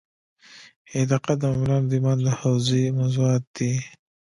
اعتقاد د مومنانو د ایمان د حوزې موضوعات دي.